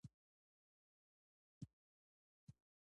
د ژبې خدمت د خلکو پوهول دي نه ګنګسول.